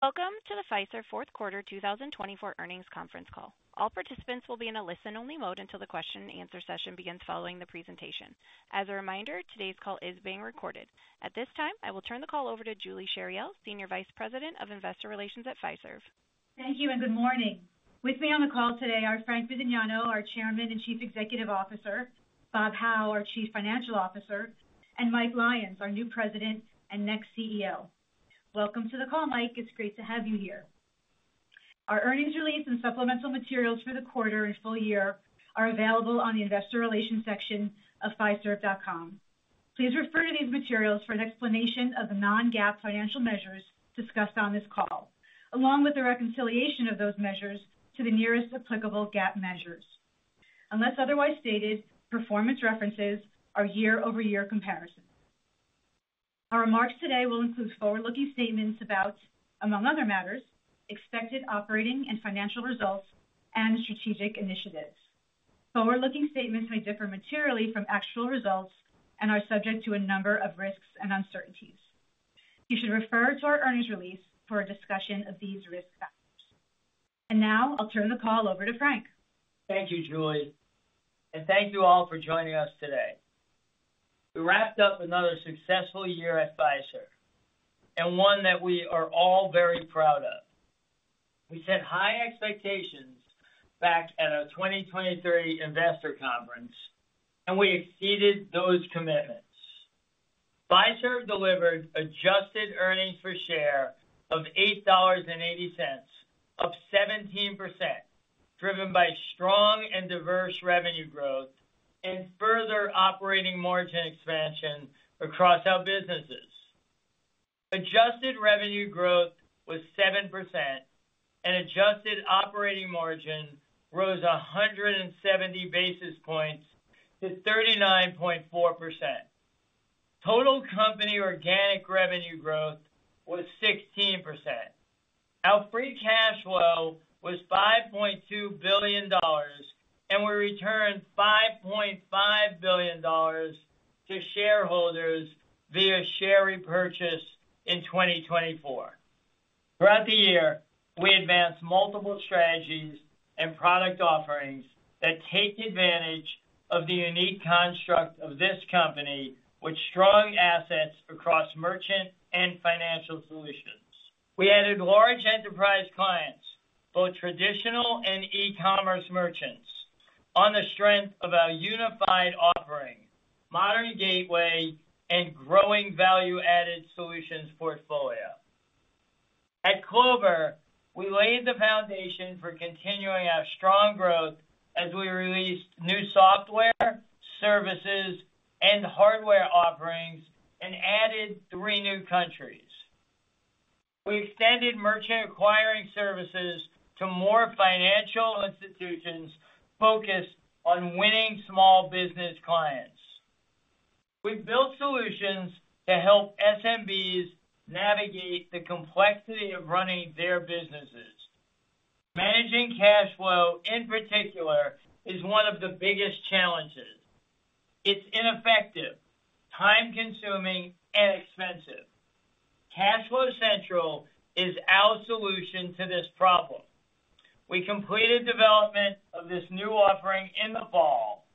Welcome to the Fiserv Fourth Quarter 2024 Earnings Conference Call. All participants will be in a listen-only mode until the question-and-answer session begins following the presentation. As a reminder, today's call is being recorded. At this time, I will turn the call over to Julie Chariell, Senior Vice President of Investor Relations at Fiserv. Thank you, and good morning. With me on the call today are Frank Bisignano, our Chairman and Chief Executive Officer, Bob Hau, our Chief Financial Officer, and Mike Lyons, our new President and next CEO. Welcome to the call, Mike. It's great to have you here. Our earnings release and supplemental materials for the quarter and full year are available on the Investor Relations section of fiserv.com. Please refer to these materials for an explanation of the non-GAAP financial measures discussed on this call, along with the reconciliation of those measures to the nearest applicable GAAP measures. Unless otherwise stated, performance references are year-over-year comparisons. Our remarks today will include forward-looking statements about, among other matters, expected operating and financial results and strategic initiatives. Forward-looking statements may differ materially from actual results and are subject to a number of risks and uncertainties. You should refer to our earnings release for a discussion of these risk factors. And now, I'll turn the call over to Frank. Thank you, Julie, and thank you all for joining us today. We wrapped up another successful year at Fiserv, and one that we are all very proud of. We set high expectations back at our 2023 Investor Conference, and we exceeded those commitments. Fiserv delivered adjusted earnings per share of $8.80, up 17%, driven by strong and diverse revenue growth and further operating margin expansion across our businesses. Adjusted revenue growth was 7%, and adjusted operating margin rose 170 basis points to 39.4%. Total company organic revenue growth was 16%. Our free cash flow was $5.2 billion, and we returned $5.5 billion to shareholders via share repurchase in 2024. Throughout the year, we advanced multiple strategies and product offerings that take advantage of the unique construct of this company with strong assets across merchant and financial solutions. We added large enterprise clients, both traditional and e-commerce merchants, on the strength of our unified offering, modern gateway, and growing value-added solutions portfolio. At Clover, we laid the foundation for continuing our strong growth as we released new software, services, and hardware offerings and added three new countries. We extended merchant acquiring services to more financial institutions focused on winning small business clients. We built solutions to help SMBs navigate the complexity of running their businesses. Managing cash flow, in particular, is one of the biggest challenges. It's ineffective, time-consuming, and expensive. CashFlow Central is our solution to this problem. We completed development of this new offering in the fall.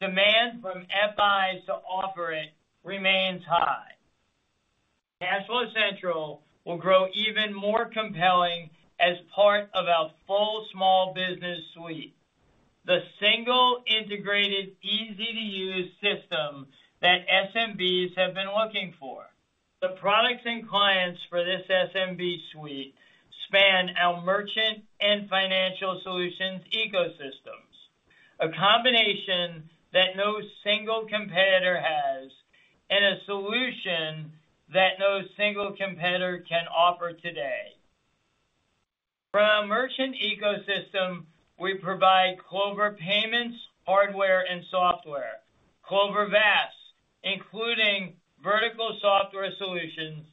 Demand from FIs to offer it remains high. CashFlow Central will grow even more compelling as part of our full small business suite, the single integrated, easy-to-use system that SMBs have been looking for. The products and clients for this SMB suite span our merchant and financial solutions ecosystems, a combination that no single competitor has and a solution that no single competitor can offer today. From our merchant ecosystem, we provide Clover payments, hardware, and software. Clover VAS, including vertical software solutions,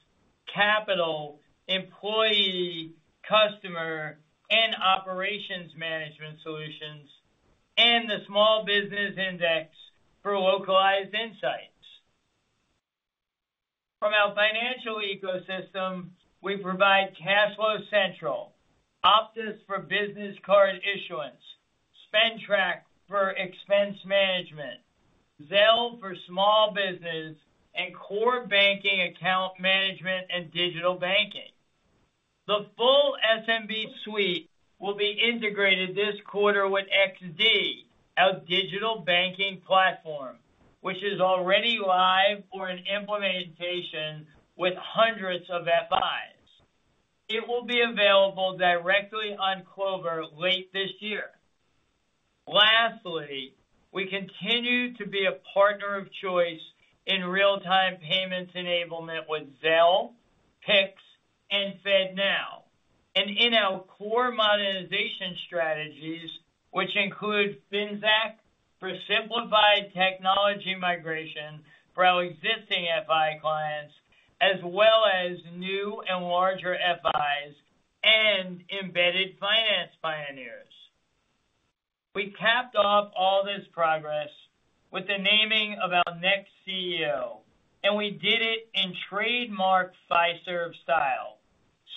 capital, employee, customer, and operations management solutions. And the Small Business Index for localized insights. From our financial ecosystem, we provide CashFlow Central, Optis for business card issuance, SpendTrack for expense management, Zelle for small business, and core banking account management and digital banking. The full SMB suite will be integrated this quarter with XD, our digital banking platform, which is already live or in implementation with hundreds of FIs. It will be available directly on Clover late this year. Lastly, we continue to be a partner of choice in real-time payments enablement with Zelle, Pix, and FedNow, and in our core modernization strategies, which include Finxact for simplified technology migration for our existing FI clients, as well as new and larger FIs and embedded finance pioneers. We capped off all this progress with the naming of our next CEO, and we did it in trademark Fiserv style: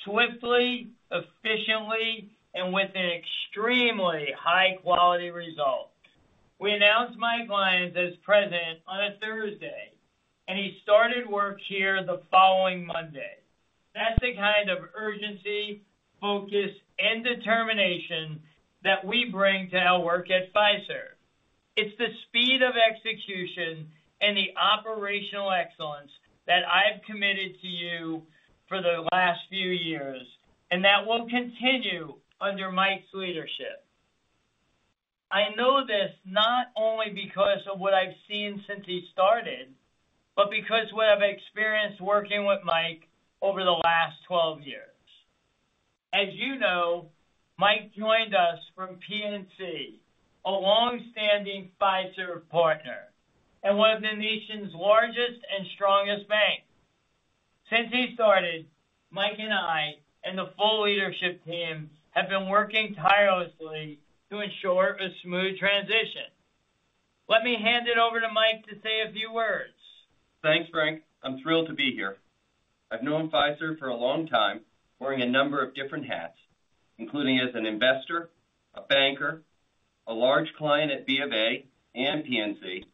swiftly, efficiently, and with an extremely high-quality result. We announced Mike Lyons as President on a Thursday, and he started work here the following Monday. That's the kind of urgency, focus, and determination that we bring to our work at Fiserv. It's the speed of execution and the operational excellence that I've committed to you for the last few years, and that will continue under Mike's leadership. I know this not only because of what I've seen since he started, but because of what I've experienced working with Mike over the last 12 years. As you know, Mike joined us from PNC, a longstanding Fiserv partner and one of the nation's largest and strongest banks. Since he started, Mike and I and the full leadership team have been working tirelessly to ensure a smooth transition. Let me hand it over to Mike to say a few words. Thanks, Frank. I'm thrilled to be here. I've known Fiserv for a long time, wearing a number of different hats, including as an investor, a banker, a large client at B of A and PNC,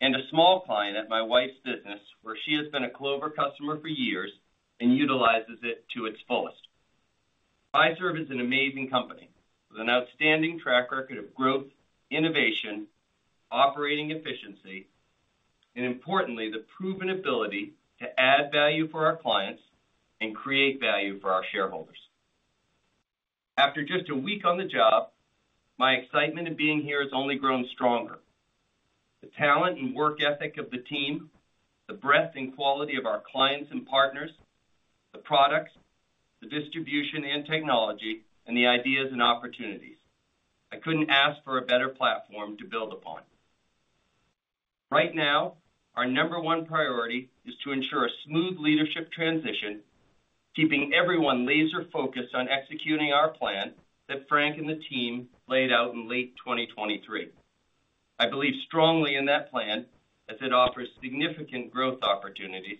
and a small client at my wife's business, where she has been a Clover customer for years and utilizes it to its fullest. Fiserv is an amazing company with an outstanding track record of growth, innovation, operating efficiency, and importantly, the proven ability to add value for our clients and create value for our shareholders. After just a week on the job, my excitement of being here has only grown stronger. The talent and work ethic of the team, the breadth and quality of our clients and partners, the products, the distribution and technology, and the ideas and opportunities, I couldn't ask for a better platform to build upon. Right now, our number one priority is to ensure a smooth leadership transition, keeping everyone laser-focused on executing our plan that Frank and the team laid out in late 2023. I believe strongly in that plan, as it offers significant growth opportunities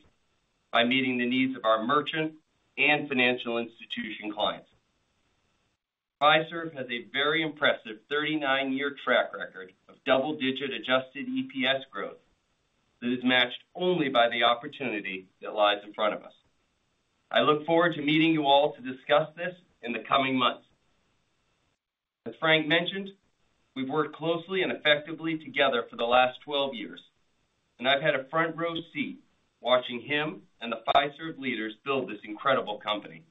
by meeting the needs of our merchant and financial institution clients. Fiserv has a very impressive 39-year track record of double-digit adjusted EPS growth that is matched only by the opportunity that lies in front of us. I look forward to meeting you all to discuss this in the coming months. As Frank mentioned, we've worked closely and effectively together for the last 12 years, and I've had a front-row seat watching him and the Fiserv leaders build this incredible company.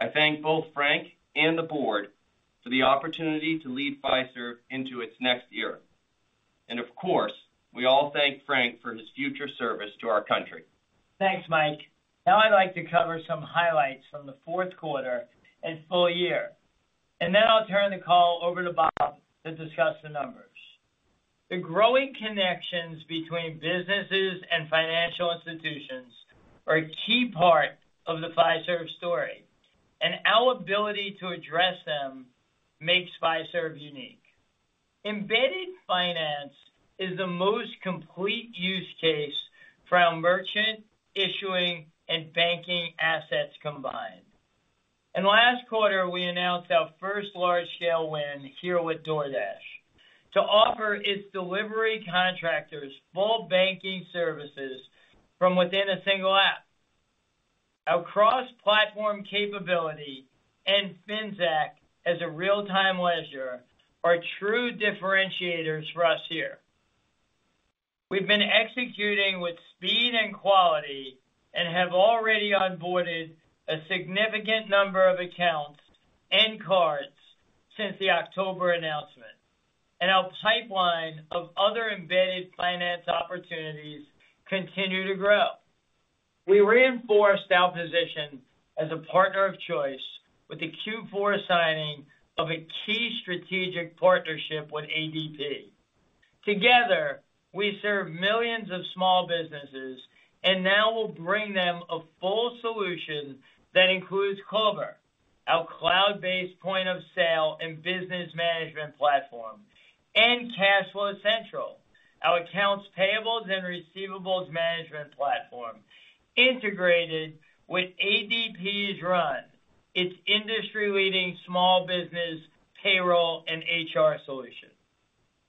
I thank both Frank and the board for the opportunity to lead Fiserv into its next era. Of course, we all thank Frank for his future service to our country. Thanks, Mike. Now, I'd like to cover some highlights from the fourth quarter and full year, and then I'll turn the call over to Bob to discuss the numbers. The growing connections between businesses and financial institutions are a key part of the Fiserv story, and our ability to address them makes Fiserv unique. Embedded finance is the most complete use case for our merchant, issuing, and banking assets combined. And last quarter, we announced our first large-scale win here with DoorDash to offer its delivery contractors full banking services from within a single app. Our cross-platform capability and Finxact as a real-time ledger are true differentiators for us here. We've been executing with speed and quality and have already onboarded a significant number of accounts and cards since the October announcement, and our pipeline of other embedded finance opportunities continues to grow. We reinforced our position as a partner of choice with the Q4 signing of a key strategic partnership with ADP. Together, we serve millions of small businesses, and now we'll bring them a full solution that includes Clover, our cloud-based point of sale and business management platform, and CashFlow Central, our accounts payables and receivables management platform, integrated with ADP's RUN, its industry-leading small business payroll and HR solution.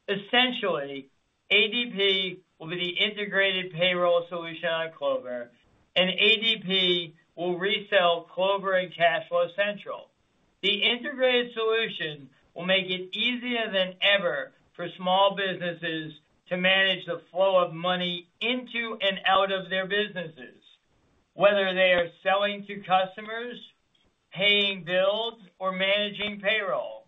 Essentially, ADP will be the integrated payroll solution on Clover, and ADP will resell Clover and CashFlow Central. The integrated solution will make it easier than ever for small businesses to manage the flow of money into and out of their businesses, whether they are selling to customers, paying bills, or managing payroll.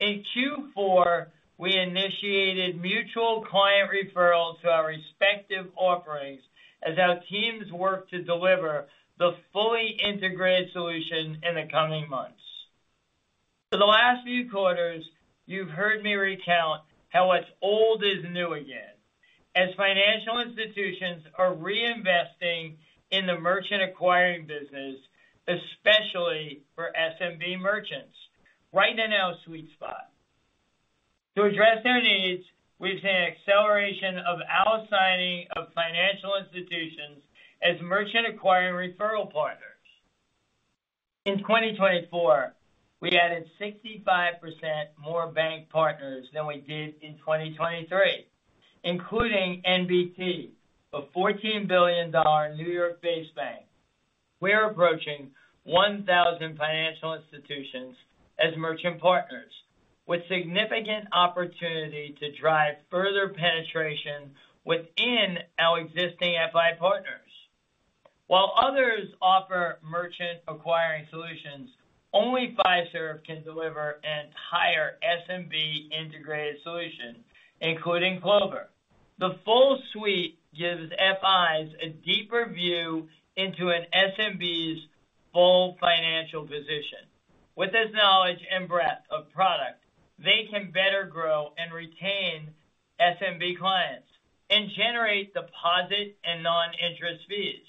In Q4, we initiated mutual client referrals to our respective offerings as our teams work to deliver the fully integrated solution in the coming months. For the last few quarters, you've heard me recount how what's old is new again, as financial institutions are reinvesting in the merchant acquiring business, especially for SMB merchants, right in our sweet spot. To address their needs, we've seen an acceleration of our signing of financial institutions as merchant acquiring referral partners. In 2024, we added 65% more bank partners than we did in 2023, including NBT, a $14 billion New York-based bank. We're approaching 1,000 financial institutions as merchant partners, with significant opportunity to drive further penetration within our existing FI partners. While others offer merchant acquiring solutions, only Fiserv can deliver an entire SMB integrated solution, including Clover. The full suite gives FIs a deeper view into an SMB's full financial position. With this knowledge and breadth of product, they can better grow and retain SMB clients and generate deposit and non-interest fees.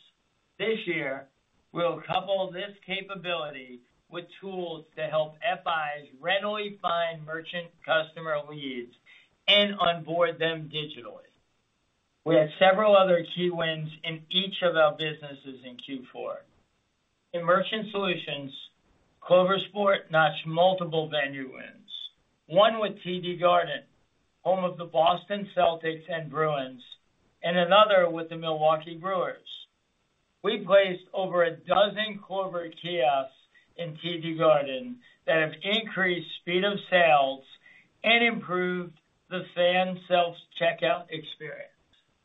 This year, we'll couple this capability with tools to help FIs readily find merchant customer leads and onboard them digitally. We had several other key wins in each of our businesses in Q4. In merchant solutions, Clover Sport notched multiple venue wins, one with TD Garden, home of the Boston Celtics and Bruins, and another with the Milwaukee Brewers. We placed over a dozen Clover kiosks in TD Garden that have increased speed of sales and improved the fan self-checkout experience.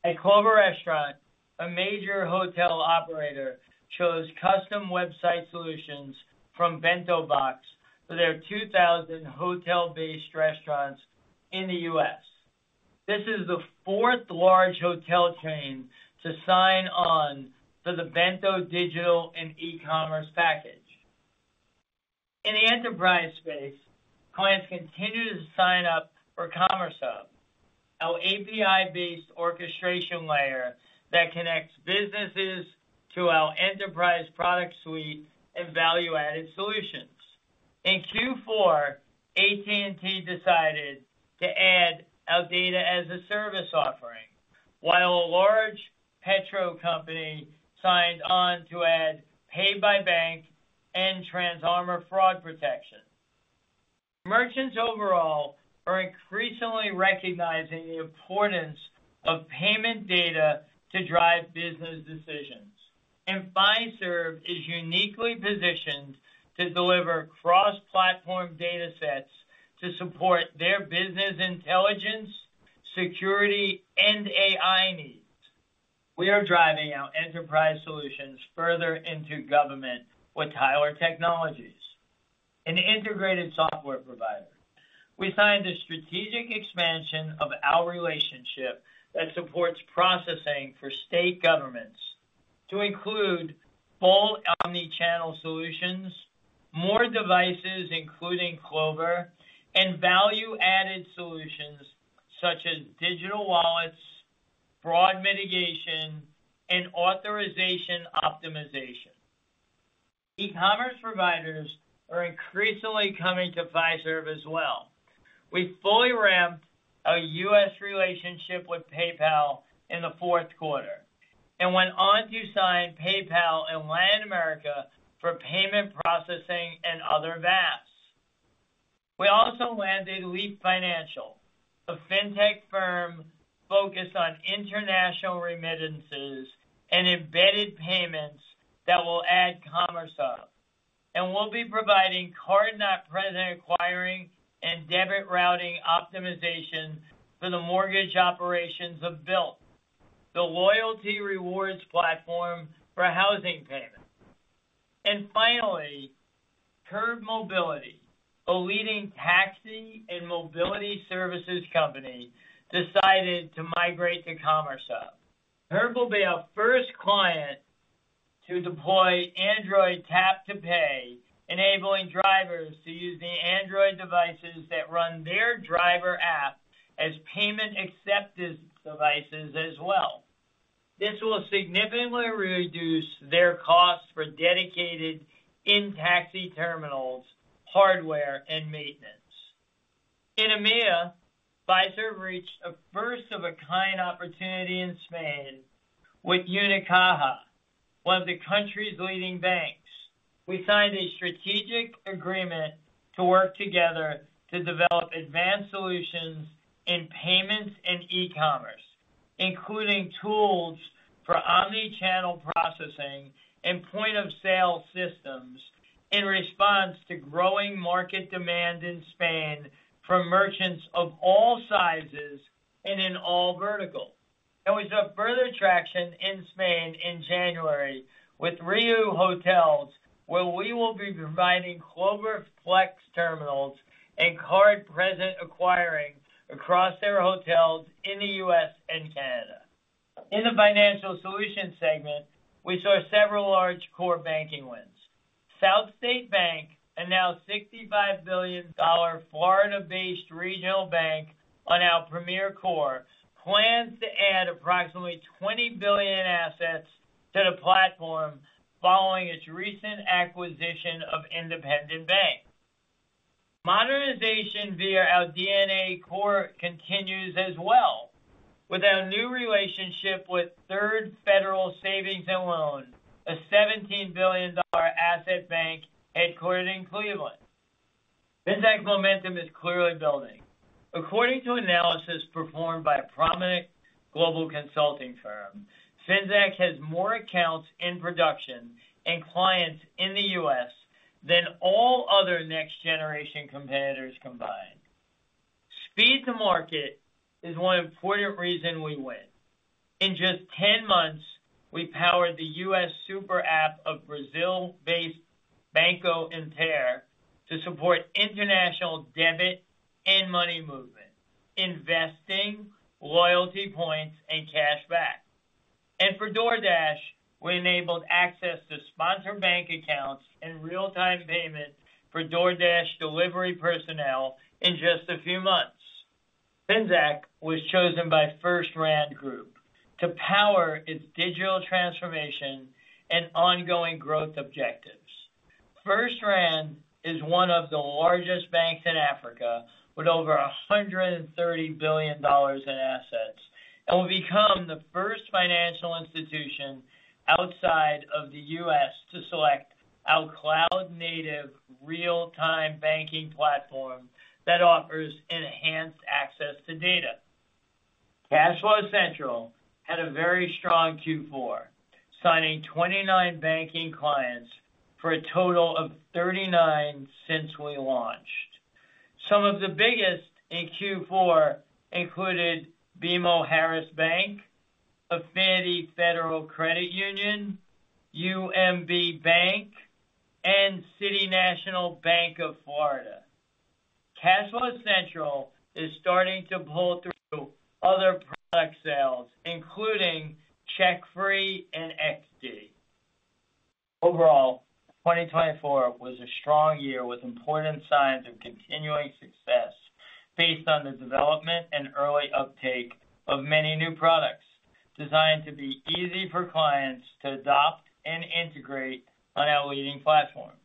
At Clover Restaurant, a major hotel operator chose custom website solutions from BentoBox for their 2,000 hotel-based restaurants in the U.S. This is the fourth large hotel chain to sign on for the Bento Digital and E-commerce package. In the enterprise space, clients continue to sign up for Commerce Hub, our API-based orchestration layer that connects businesses to our enterprise product suite and value-added solutions. In Q4, AT&T decided to add our data as a service offering, while a large petro company signed on to add pay-by-bank and TransArmor fraud protection. Merchants overall are increasingly recognizing the importance of payment data to drive business decisions, and Fiserv is uniquely positioned to deliver cross-platform data sets to support their business intelligence, security, and AI needs. We are driving our enterprise solutions further into government with Tyler Technologies, an integrated software provider. We signed a strategic expansion of our relationship that supports processing for state governments to include full omnichannel solutions, more devices including Clover, and value-added solutions such as digital wallets, fraud mitigation, and authorization optimization. E-commerce providers are increasingly coming to Fiserv as well. We fully ramped our U.S. relationship with PayPal in the fourth quarter and went on to sign PayPal and Land America for payment processing and other VAS. We also landed Leap Financial, a fintech firm focused on international remittances and embedded payments that will add Commerce Hub, and we'll be providing card-not-present acquiring and debit routing optimization for the mortgage operations of Bilt, the loyalty rewards platform for housing payments, and finally, Curb Mobility, a leading taxi and mobility services company, decided to migrate to Commerce Hub. Curb will be our first client to deploy Android Tap to Pay, enabling drivers to use the Android devices that run their driver app as payment acceptance devices as well. This will significantly reduce their costs for dedicated in-taxi terminals, hardware, and maintenance. In EMEA, Fiserv reached a first-of-a-kind opportunity in Spain with Unicaja, one of the country's leading banks. We signed a strategic agreement to work together to develop advanced solutions in payments and e-commerce, including tools for omnichannel processing and point-of-sale systems in response to growing market demand in Spain from merchants of all sizes and in all verticals, and we took further traction in Spain in January with RIU Hotels, where we will be providing Clover Flex terminals and card-present acquiring across their hotels in the U.S. and Canada. In the financial solutions segment, we saw several large core banking wins. South State Bank, a now $65 billion Florida-based regional bank on our Premier core, plans to add approximately $20 billion in assets to the platform following its recent acquisition of Independent Bank. Modernization via our DNA core continues as well, with our new relationship with Third Federal Savings and Loan, a $17 billion asset bank headquartered in Cleveland. FinTech momentum is clearly building. According to analysis performed by a prominent global consulting firm, Finxact has more accounts in production and clients in the U.S. than all other next-generation competitors combined. Speed to market is one important reason we win. In just 10 months, we powered the U.S. super app of Brazil-based Banco Inter to support international debit and money movement, investing, loyalty points, and cashback. For DoorDash, we enabled access to sponsored bank accounts and real-time payment for DoorDash delivery personnel in just a few months. Finxact was chosen by FirstRand Group to power its digital transformation and ongoing growth objectives. FirstRand is one of the largest banks in Africa, with over $130 billion in assets, and will become the first financial institution outside of the U.S. to select our cloud-native real-time banking platform that offers enhanced access to data. CashFlow Central had a very strong Q4, signing 29 banking clients for a total of 39 since we launched. Some of the biggest in Q4 included BMO Harris Bank, Affinity Federal Credit Union, UMB Bank, and City National Bank of Florida. CashFlow Central is starting to pull through other product sales, including CheckFree and XD. Overall, 2024 was a strong year with important signs of continuing success based on the development and early uptake of many new products designed to be easy for clients to adopt and integrate on our leading platforms.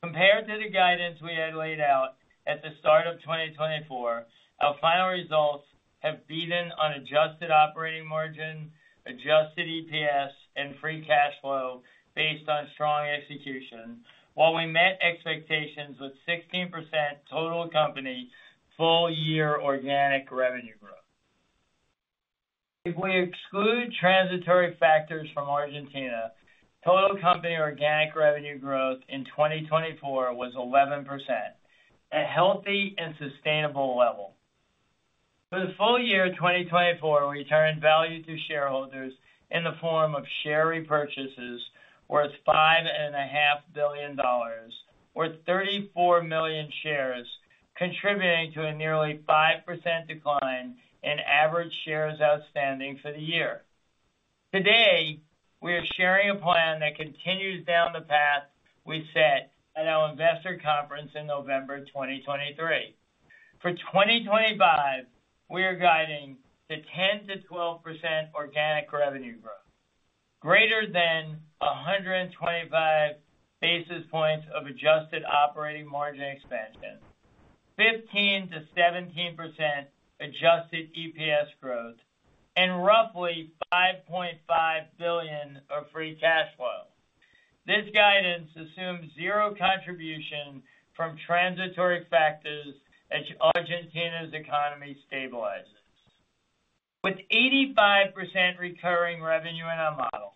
Compared to the guidance we had laid out at the start of 2024, our final results have beaten on adjusted operating margin, adjusted EPS, and free cash flow based on strong execution, while we met expectations with 16% total company full-year organic revenue growth. If we exclude transitory factors from Argentina, total company organic revenue growth in 2024 was 11%, a healthy and sustainable level. For the full year of 2024, we returned value to shareholders in the form of share repurchases worth $5.5 billion, worth 34 million shares, contributing to a nearly 5% decline in average shares outstanding for the year. Today, we are sharing a plan that continues down the path we set at our investor conference in November 2023. For 2025, we are guiding to 10%-12% organic revenue growth, greater than 125 basis points of adjusted operating margin expansion, 15%-17% adjusted EPS growth, and roughly $5.5 billion of free cash flow. This guidance assumes zero contribution from transitory factors as Argentina's economy stabilizes. With 85% recurring revenue in our model,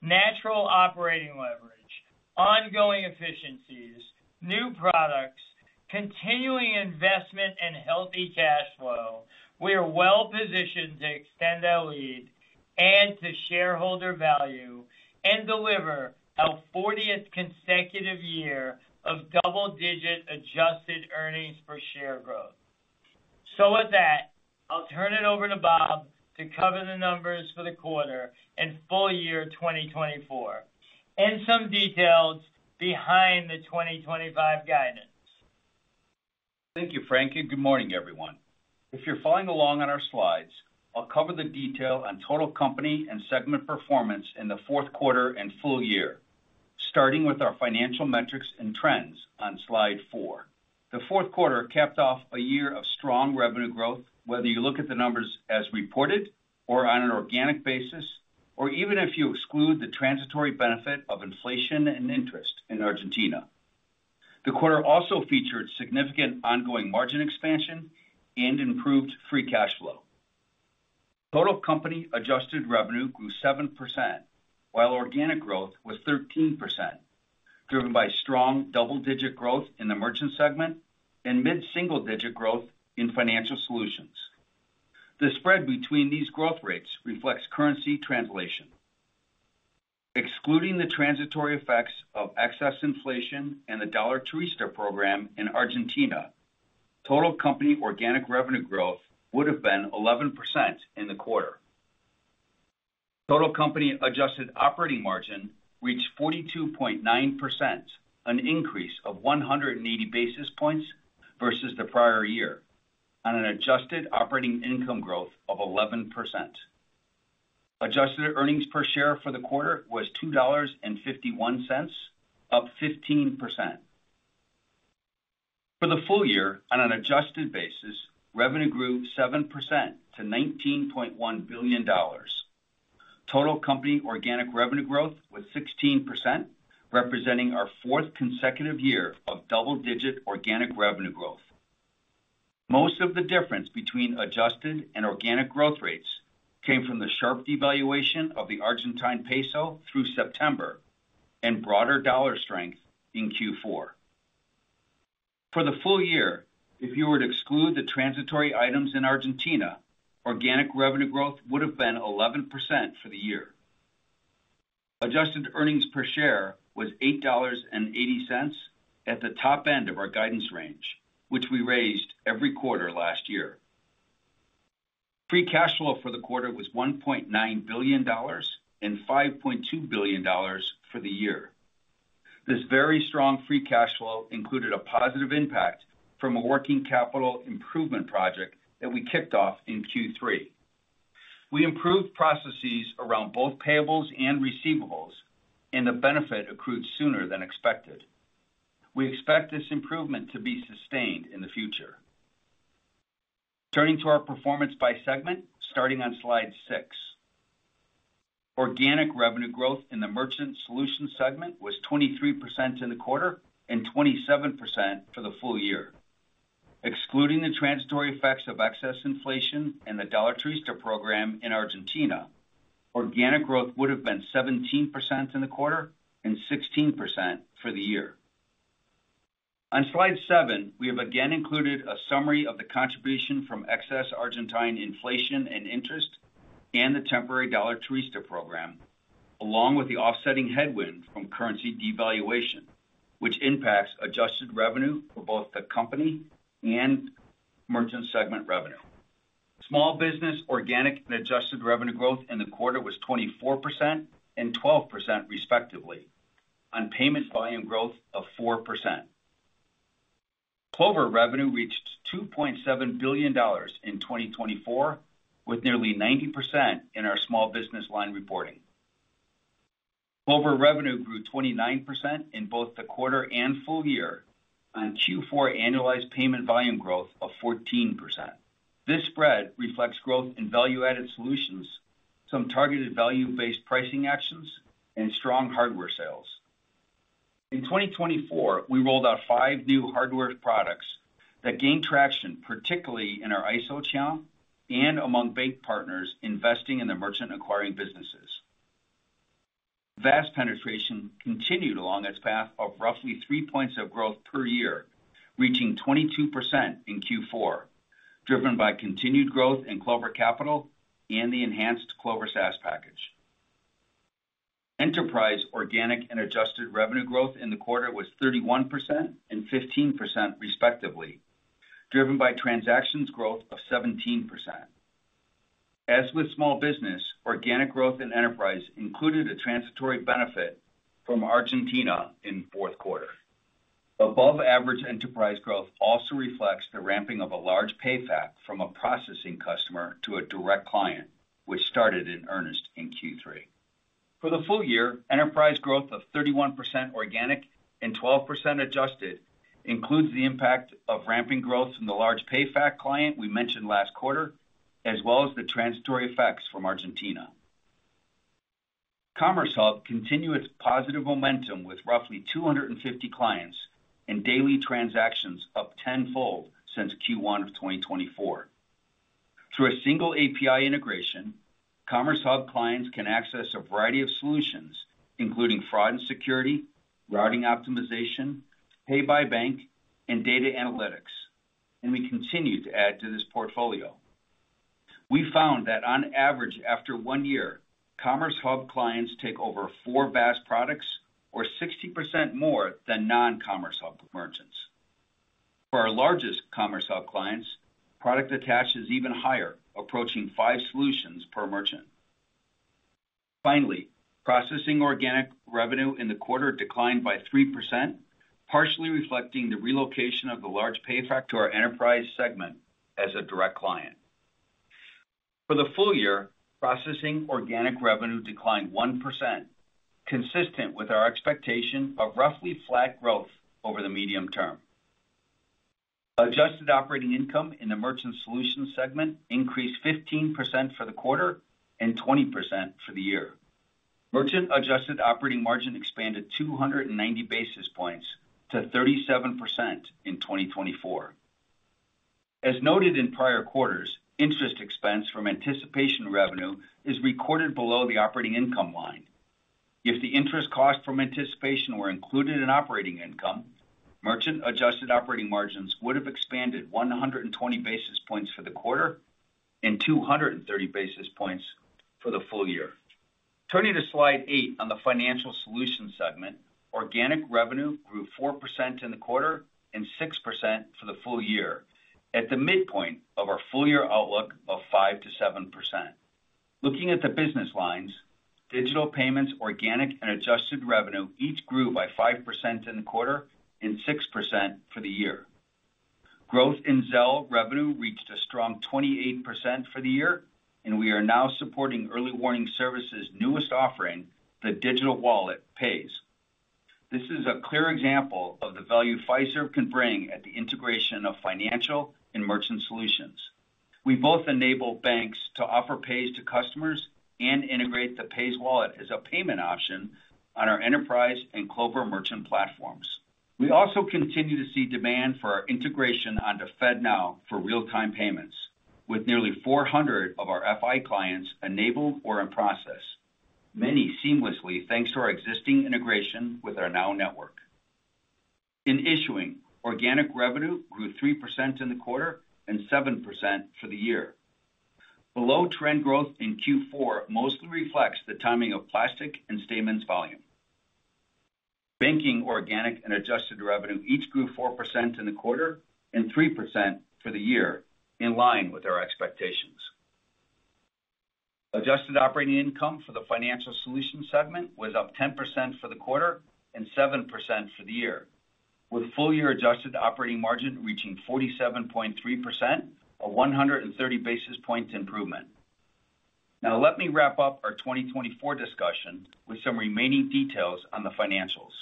natural operating leverage, ongoing efficiencies, new products, continuing investment, and healthy cash flow, we are well-positioned to extend our lead and to shareholder value and deliver our 40th consecutive year of double-digit adjusted earnings for share growth. So with that, I'll turn it over to Bob to cover the numbers for the quarter and full year 2024, and some details behind the 2025 guidance. Thank you, Frankie. Good morning, everyone. If you're following along on our slides, I'll cover the detail on total company and segment performance in the fourth quarter and full year, starting with our financial metrics and trends on slide four. The fourth quarter capped off a year of strong revenue growth, whether you look at the numbers as reported or on an organic basis, or even if you exclude the transitory benefit of inflation and interest in Argentina. The quarter also featured significant ongoing margin expansion and improved free cash flow. Total company adjusted revenue grew 7%, while organic growth was 13%, driven by strong double-digit growth in the merchant segment and mid-single-digit growth in financial solutions. The spread between these growth rates reflects currency translation. Excluding the transitory effects of excess inflation and the Dollar Turista program in Argentina, total company organic revenue growth would have been 11% in the quarter. Total company adjusted operating margin reached 42.9%, an increase of 180 basis points versus the prior year, on an adjusted operating income growth of 11%. Adjusted earnings per share for the quarter was $2.51, up 15%. For the full year, on an adjusted basis, revenue grew 7% to $19.1 billion. Total company organic revenue growth was 16%, representing our fourth consecutive year of double-digit organic revenue growth. Most of the difference between adjusted and organic growth rates came from the sharp devaluation of the Argentine peso through September and broader dollar strength in Q4. For the full year, if you were to exclude the transitory items in Argentina, organic revenue growth would have been 11% for the year. Adjusted earnings per share was $8.80 at the top end of our guidance range, which we raised every quarter last year. Free cash flow for the quarter was $1.9 billion and $5.2 billion for the year. This very strong free cash flow included a positive impact from a working capital improvement project that we kicked off in Q3. We improved processes around both payables and receivables, and the benefit accrued sooner than expected. We expect this improvement to be sustained in the future. Turning to our performance by segment, starting on slide six, organic revenue growth in the Merchant Solutions segment was 23% in the quarter and 27% for the full year. Excluding the transitory effects of excess inflation and the Dollar Turista program in Argentina, organic growth would have been 17% in the quarter and 16% for the year. On slide seven, we have again included a summary of the contribution from excess Argentine inflation and interest and the temporary Dollar Turista program, along with the offsetting headwind from currency devaluation, which impacts adjusted revenue for both the company and Merchant Solutions segment revenue. Small business organic and adjusted revenue growth in the quarter was 24% and 12%, respectively, on payment volume growth of 4%. Clover revenue reached $2.7 billion in 2024, with nearly 90% in our small business line reporting. Clover revenue grew 29% in both the quarter and full year on Q4 annualized payment volume growth of 14%. This spread reflects growth in value-added solutions, some targeted value-based pricing actions, and strong hardware sales. In 2024, we rolled out five new hardware products that gained traction, particularly in our ISO channel and among bank partners investing in the merchant acquiring businesses. VAS penetration continued along its path of roughly three points of growth per year, reaching 22% in Q4, driven by continued growth in Clover Capital and the enhanced Clover SaaS package. Enterprise organic and adjusted revenue growth in the quarter was 31% and 15%, respectively, driven by transactions growth of 17%. As with small business, organic growth in enterprise included a transitory benefit from Argentina in fourth quarter. Above-average enterprise growth also reflects the ramping of a large PayFac from a processing customer to a direct client, which started in earnest in Q3. For the full year, enterprise growth of 31% organic and 12% adjusted includes the impact of ramping growth from the large PayFac client we mentioned last quarter, as well as the transitory effects from Argentina. Commerce Hub continued its positive momentum with roughly 250 clients and daily transactions up tenfold since Q1 of 2024. Through a single API integration, Commerce Hub clients can access a variety of solutions, including fraud and security, routing optimization, pay-by-bank, and data analytics, and we continue to add to this portfolio. We found that on average, after one year, Commerce Hub clients take over four VAS products or 60% more than non-Commerce Hub merchants. For our largest Commerce Hub clients, product attach is even higher, approaching five solutions per merchant. Finally, processing organic revenue in the quarter declined by 3%, partially reflecting the relocation of the large PayFac to our enterprise segment as a direct client. For the full year, processing organic revenue declined 1%, consistent with our expectation of roughly flat growth over the medium term. Adjusted operating income in the Merchant Solutions segment increased 15% for the quarter and 20% for the year. Merchant adjusted operating margin expanded 290 basis points to 37% in 2024. As noted in prior quarters, interest expense from anticipation revenue is recorded below the operating income line. If the interest cost from anticipation were included in operating income, merchant adjusted operating margins would have expanded 120 basis points for the quarter and 230 basis points for the full year. Turning to slide eight on the financial solution segment, organic revenue grew 4% in the quarter and 6% for the full year, at the midpoint of our full year outlook of 5% to 7%. Looking at the business lines, digital payments, organic, and adjusted revenue each grew by 5% in the quarter and 6% for the year. Growth in Zelle revenue reached a strong 28% for the year, and we are now supporting Early Warning Services' newest offering, the digital wallet Paze. This is a clear example of the value Fiserv can bring at the integration of financial and merchant solutions. We both enable banks to offer Paze to customers and integrate the Paze wallet as a payment option on our enterprise and Clover merchant platforms. We also continue to see demand for our integration onto FedNow for real-time payments, with nearly 400 of our FI clients enabled or in process, many seamlessly thanks to our existing integration with our NOW Network. In issuing, organic revenue grew 3% in the quarter and 7% for the year. Below-trend growth in Q4 mostly reflects the timing of plastic and statements volume. Banking organic and adjusted revenue each grew 4% in the quarter and 3% for the year, in line with our expectations. Adjusted operating income for the Financial Solutions segment was up 10% for the quarter and 7% for the year, with full-year adjusted operating margin reaching 47.3%, a 130 basis points improvement. Now, let me wrap up our 2024 discussion with some remaining details on the financials.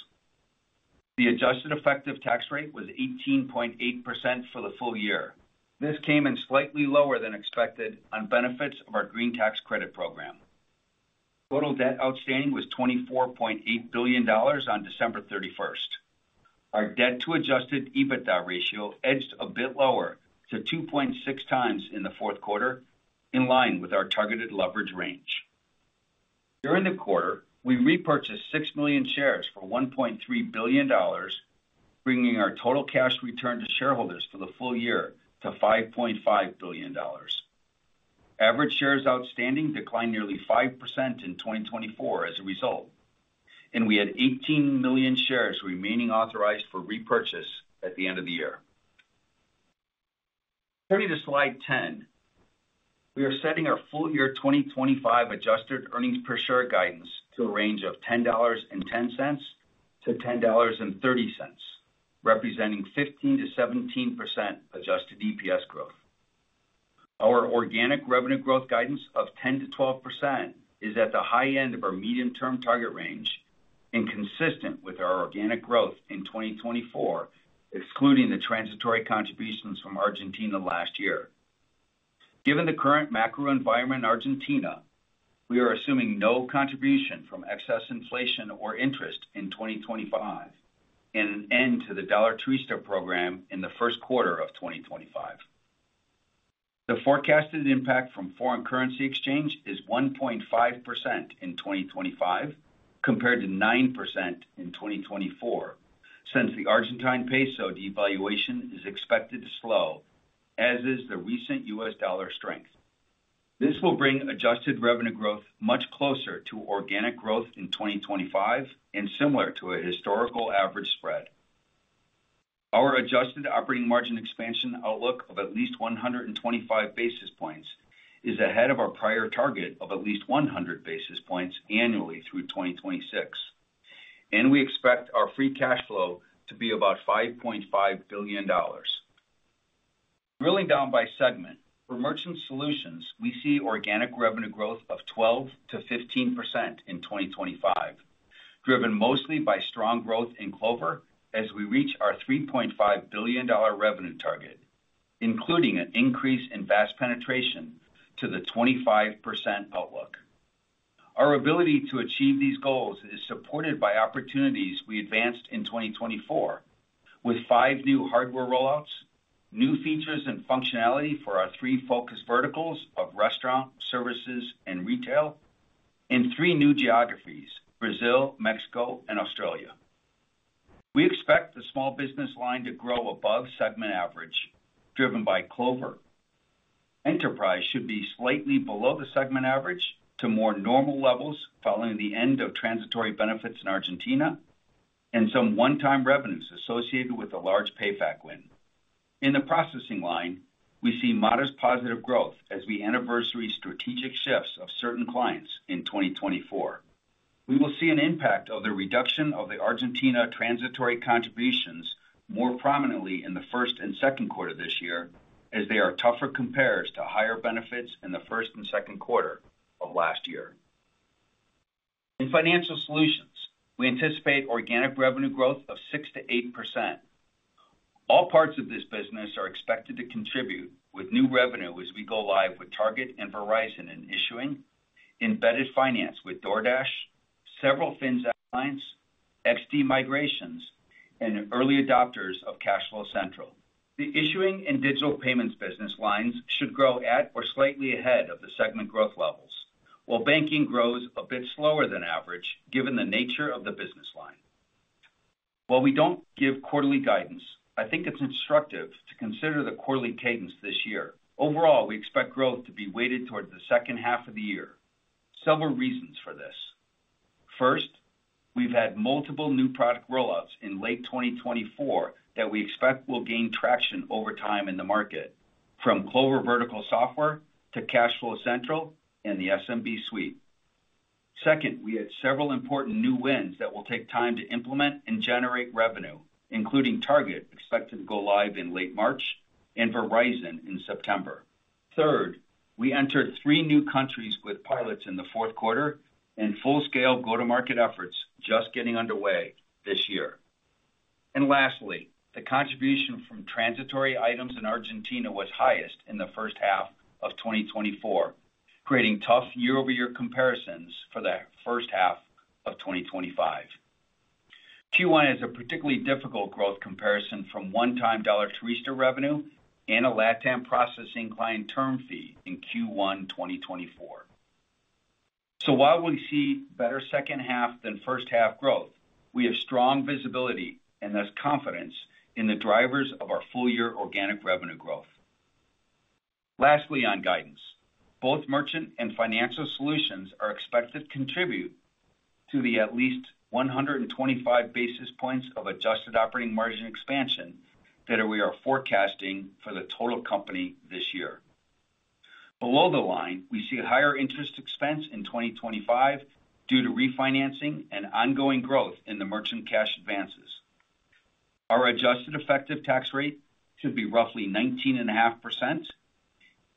The adjusted effective tax rate was 18.8% for the full year. This came in slightly lower than expected on benefits of our Green Tax Credit program. Total debt outstanding was $24.8 billion on December 31st. Our debt-to-adjusted EBITDA ratio edged a bit lower to 2.6 times in the fourth quarter, in line with our targeted leverage range. During the quarter, we repurchased 6 million shares for $1.3 billion, bringing our total cash return to shareholders for the full year to $5.5 billion. Average shares outstanding declined nearly 5% in 2024 as a result, and we had 18 million shares remaining authorized for repurchase at the end of the year. Turning to slide 10, we are setting our full year 2025 adjusted earnings per share guidance to a range of $10.10-$10.30, representing 15%-17% adjusted EPS growth. Our organic revenue growth guidance of 10%-12% is at the high end of our medium-term target range and consistent with our organic growth in 2024, excluding the transitory contributions from Argentina last year. Given the current macro environment in Argentina, we are assuming no contribution from excess inflation or interest in 2025 and an end to the Dollar Turista program in the first quarter of 2025. The forecasted impact from foreign currency exchange is 1.5% in 2025, compared to 9% in 2024, since the Argentine peso devaluation is expected to slow, as is the recent U.S. dollar strength. This will bring adjusted revenue growth much closer to organic growth in 2025 and similar to a historical average spread. Our adjusted operating margin expansion outlook of at least 125 basis points is ahead of our prior target of at least 100 basis points annually through 2026, and we expect our free cash flow to be about $5.5 billion. Drilling down by segment, for Merchant Solutions, we see organic revenue growth of 12%-15% in 2025, driven mostly by strong growth in Clover as we reach our $3.5 billion revenue target, including an increase in VAS penetration to the 25% outlook. Our ability to achieve these goals is supported by opportunities we advanced in 2024, with five new hardware rollouts, new features, and functionality for our three focus verticals of restaurants, services, and retail, and three new geographies: Brazil, Mexico, and Australia. We expect the small business line to grow above segment average, driven by Clover. Enterprise should be slightly below the segment average to more normal levels following the end of transitory benefits in Argentina and some one-time revenues associated with the large PayFac win. In the processing line, we see modest positive growth as we anniversary strategic shifts of certain clients in 2024. We will see an impact of the reduction of the Argentina transitory contributions more prominently in the first and second quarter of this year, as they are tougher compared to higher benefits in the first and second quarter of last year. In Financial Solutions, we anticipate organic revenue growth of 6%-8%. All parts of this business are expected to contribute with new revenue as we go live with Target and Verizon in issuing, embedded finance with DoorDash, several Finxact lines, XD migrations, and early adopters of CashFlow Central. The issuing and digital payments business lines should grow at or slightly ahead of the segment growth levels, while banking grows a bit slower than average given the nature of the business line. While we don't give quarterly guidance, I think it's instructive to consider the quarterly cadence this year. Overall, we expect growth to be weighted towards the second half of the year. Several reasons for this. First, we've had multiple new product rollouts in late 2024 that we expect will gain traction over time in the market, from Clover Vertical Software to CashFlow Central and the SMB suite. Second, we had several important new wins that will take time to implement and generate revenue, including Target expected to go live in late March and Verizon in September. Third, we entered three new countries with pilots in the fourth quarter and full-scale go-to-market efforts just getting underway this year, and lastly, the contribution from transitory items in Argentina was highest in the first half of 2024, creating tough year-over-year comparisons for the first half of 2025. Q1 has a particularly difficult growth comparison from one-time Dollar Turista revenue and a LATAM processing client term fee in Q1 2024, so while we see better second half than first half growth, we have strong visibility and thus confidence in the drivers of our full-year organic revenue growth. Lastly, on guidance, both merchant and financial solutions are expected to contribute to the at least 125 basis points of adjusted operating margin expansion that we are forecasting for the total company this year. Below the line, we see a higher interest expense in 2025 due to refinancing and ongoing growth in the merchant cash advances. Our adjusted effective tax rate should be roughly 19.5%,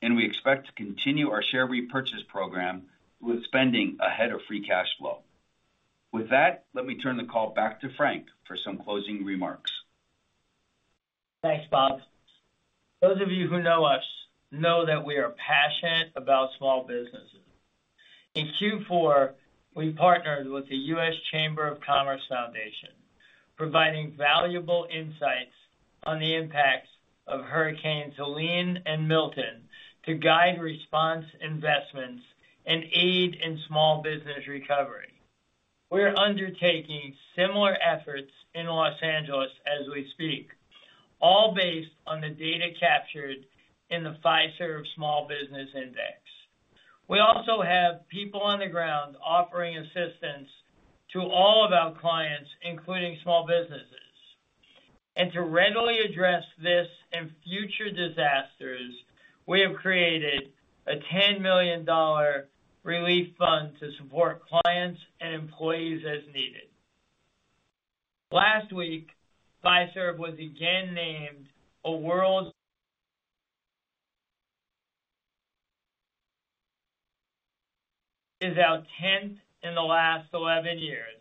and we expect to continue our share repurchase program with spending ahead of free cash flow. With that, let me turn the call back to Frank for some closing remarks. Thanks, Bob. Those of you who know us know that we are passionate about small businesses. In Q4, we partnered with the US Chamber of Commerce Foundation, providing valuable insights on the impacts of Hurricanes Helene and Milton to guide response investments and aid in small business recovery. We're undertaking similar efforts in Los Angeles as we speak, all based on the data captured in the Fiserv Small Business Index. We also have people on the ground offering assistance to all of our clients, including small businesses. To readily address this and future disasters, we have created a $10 million relief fund to support clients and employees as needed. Last week, Fiserv was again named a world leader. It's our 10th in the last 11 years,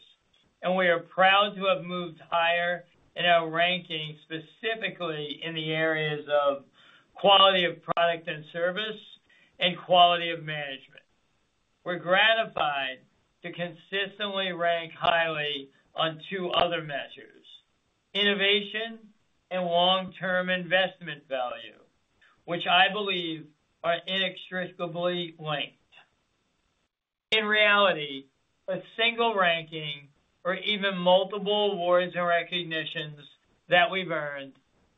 and we are proud to have moved higher in our ranking, specifically in the areas of quality of product and service and quality of management. We're gratified to consistently rank highly on two other measures: innovation and long-term investment value, which I believe are inextricably linked. In reality, a single ranking or even multiple awards and recognitions that we've earned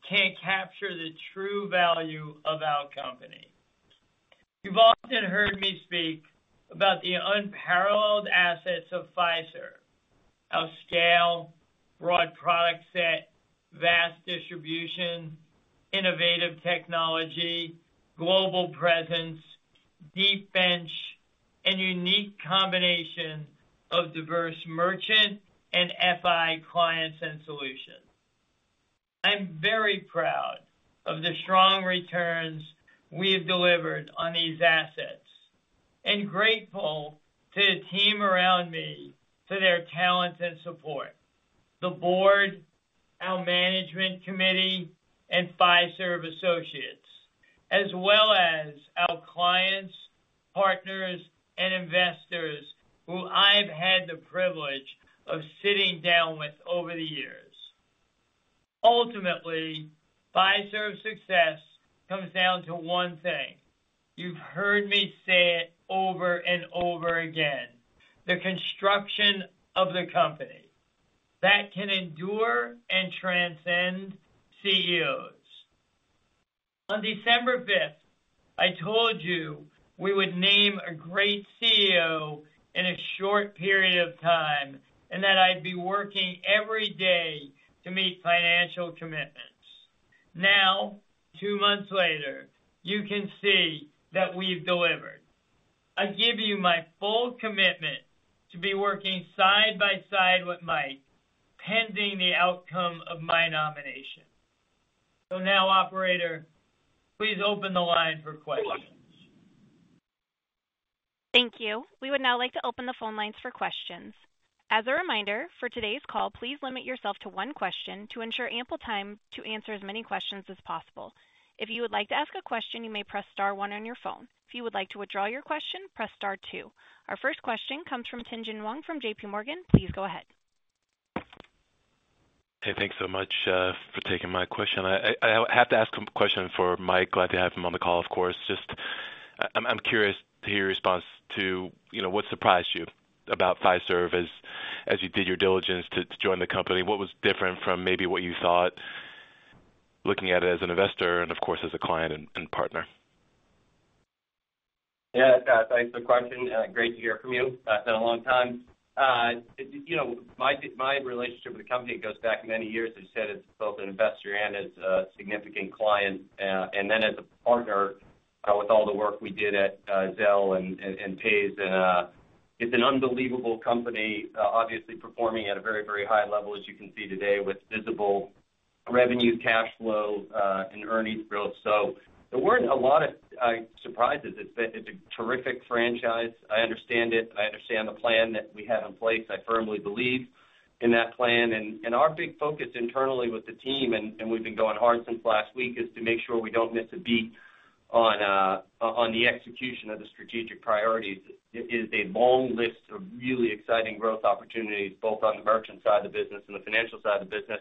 can't capture the true value of our company. You've often heard me speak about the unparalleled assets of Fiserv: our scale, broad product set, vast distribution, innovative technology, global presence, deep bench, and unique combination of diverse merchant and FI clients and solutions. I'm very proud of the strong returns we have delivered on these assets and grateful to the team around me for their talent and support: the board, our management committee, and Fiserv associates, as well as our clients, partners, and investors who I've had the privilege of sitting down with over the years. Ultimately, Fiserv's success comes down to one thing. You've heard me say it over and over again: the construction of the company that can endure and transcend CEOs. On December 5th, I told you we would name a great CEO in a short period of time and that I'd be working every day to meet financial commitments. Now, two months later, you can see that we've delivered. I give you my full commitment to be working side by side with Mike pending the outcome of my nomination. So now, operator, please open the line for questions. Thank you. We would now like to open the phone lines for questions. As a reminder, for today's call, please limit yourself to one question to ensure ample time to answer as many questions as possible. If you would like to ask a question, you may press star one on your phone. If you would like to withdraw your question, press star two. Our first question comes from Tien-Tsin Huang from JPMorgan. Please go ahead. Hey, thanks so much for taking my question. I have to ask a question for Mike. Glad to have him on the call, of course. Just, I'm curious to hear your response to what surprised you about Fiserv as you did your diligence to join the company. What was different from maybe what you thought, looking at it as an investor and, of course, as a client and partner? Yeah, thanks for the question. Great to hear from you. It's been a long time. My relationship with the company goes back many years. As you said, as both an investor and as a significant client, and then as a partner with all the work we did at Zelle and Paze. It's an unbelievable company, obviously performing at a very, very high level, as you can see today, with visible revenue, cash flow, and earnings growth. So there weren't a lot of surprises. It's a terrific franchise. I understand it. I understand the plan that we have in place. I firmly believe in that plan. And our big focus internally with the team, and we've been going hard since last week, is to make sure we don't miss a beat on the execution of the strategic priorities. It is a long list of really exciting growth opportunities, both on the merchant side of the business and the financial side of the business.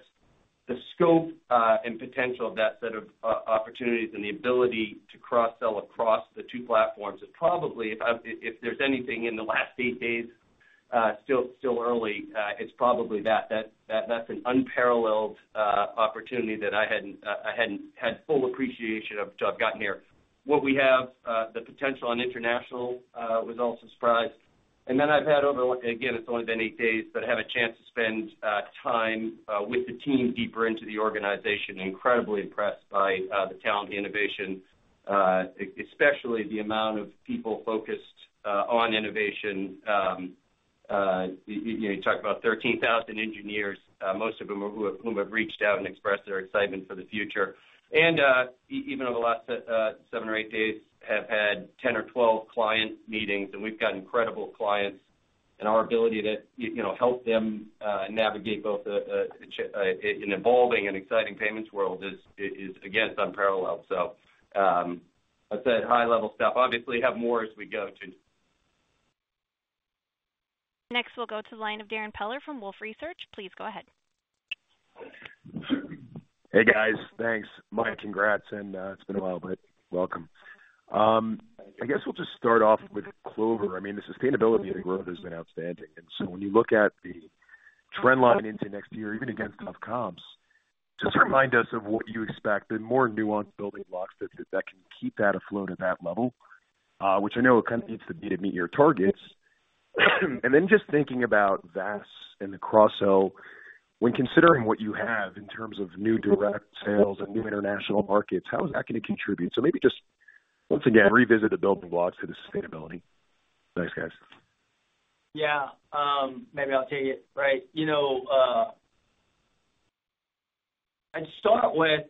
The scope and potential of that set of opportunities and the ability to cross-sell across the two platforms is probably, if there's anything in the last eight days, still early, it's probably that. That's an unparalleled opportunity that I hadn't had full appreciation of until I've gotten here. What we have, the potential on international, was also surprised, then I've had, again, it's only been eight days, but I have a chance to spend time with the team deeper into the organization. Incredibly impressed by the talent, the innovation, especially the amount of people focused on innovation. You talk about 13,000 engineers, most of whom have reached out and expressed their excitement for the future. Even over the last seven or eight days, I have had 10 or 12 client meetings, and we've got incredible clients. Our ability to help them navigate both an evolving and exciting payments world is, again, unparalleled. I'd say high-level stuff. Obviously, have more as we go too. Next, we'll go to the line of Darrin Peller from Wolfe Research. Please go ahead. Hey, guys. Thanks. Mike, congrats. It's been a while, but welcome. I guess we'll just start off with Clover. I mean, the sustainability of the growth has been outstanding. So when you look at the trend line into next year, even against the comps, just remind us of what you expect, the more nuanced building blocks that can keep that afloat at that level, which I know kind of needs to be to meet your targets. And then, just thinking about VAS and the cross-sell, when considering what you have in terms of new direct sales and new international markets, how is that going to contribute? So, maybe just once again, revisit the building blocks to the sustainability. Thanks, guys. Yeah. Maybe I'll take it, right? I'd start with.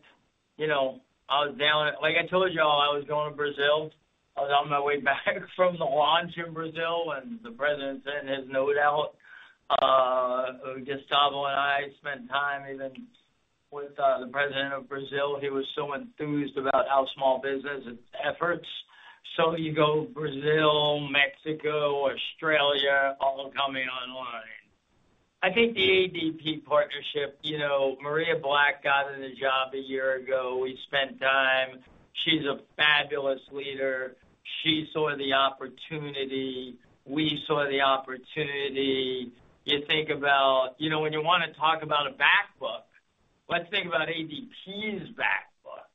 I was down at, like I told you all, I was going to Brazil. I was on my way back from the launch in Brazil, and the president sent his note out. Gustavo and I spent time even with the president of Brazil. He was so enthused about how small business efforts. So you go Brazil, Mexico, Australia, all coming online. I think the ADP partnership. Maria Black got in the job a year ago. We spent time. She's a fabulous leader. She saw the opportunity. We saw the opportunity. You think about when you want to talk about a backbook. Let's think about ADP's backbook,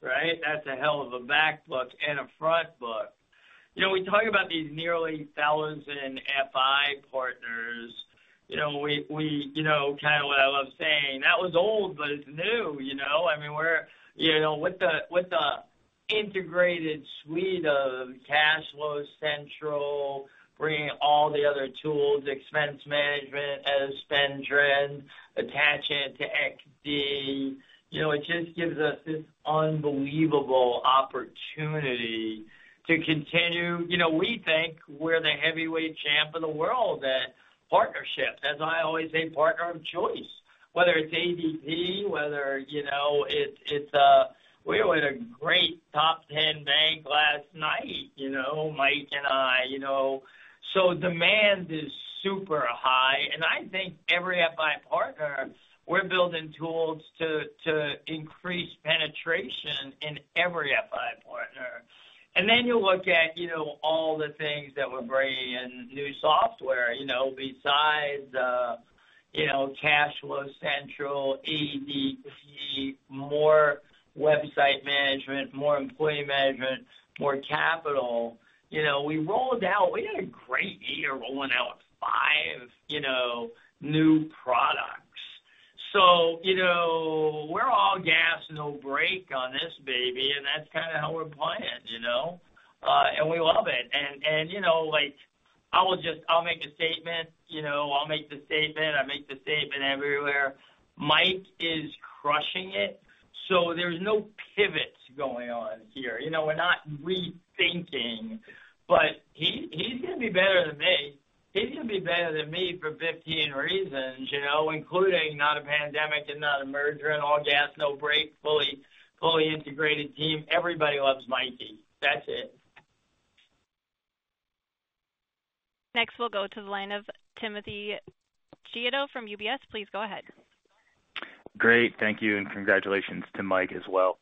right? That's a hell of a backbook and a frontbook. We talk about these nearly thousand FI partners. We kind of what I love saying, "That was old, but it's new." I mean, we're with the integrated suite of CashFlow Central, bringing all the other tools, expense management, as SpendTrend, attaching it to XD. It just gives us this unbelievable opportunity to continue. We think we're the heavyweight champ of the world at partnerships, as I always say, partner of choice, whether it's ADP, whether it's a we were in a great top 10 bank last night, Mike and I. So demand is super high. And I think every FI partner, we're building tools to increase penetration in every FI partner. And then you look at all the things that we're bringing in new software besides CashFlow Central, ADP, more website management, more employee management, more capital. We rolled out. We had a great year rolling out five new products. So we're all gas no brake on this baby, and that's kind of how we're playing. And we love it. And I'll make a statement. I'll make the statement. I make the statement everywhere. Mike is crushing it. So there's no pivots going on here. We're not rethinking, but he's going to be better than me. He's going to be better than me for 15 reasons, including not a pandemic and not a merger and all gas no brake, fully integrated team. Everybody loves Mikey. That's it. Next, we'll go to the line of Timothy Chiodo from UBS. Please go ahead. Great. Thank you. And congratulations to Mike as well.